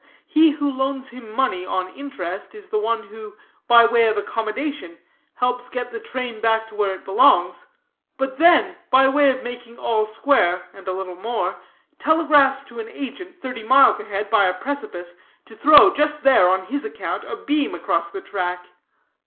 He who loans him money on interest is the one who, by way of accommodation, helps get the train back where it belongs; but then, by way of making all square, and a little more, telegraphs to an agent, thirty miles a head by a precipice, to throw just there, on his account, a beam across the track.